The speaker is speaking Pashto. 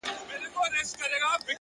صادق چلند اوږد درناوی ګټي.!